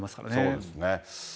そうですね。